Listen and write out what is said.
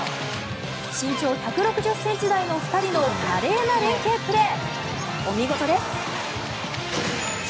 身長１６０ｃｍ台の２人の華麗な連係プレーお見事です。